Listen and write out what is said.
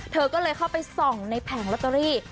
เธอก็เลยเข้าไปส่องในแผงลอตเตอรี่